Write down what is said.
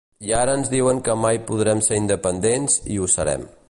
I ara ens diuen que mai podrem ser independents i ho serem.